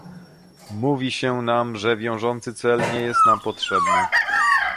Mówi się nam, że wiążący cel nie jest nam potrzebny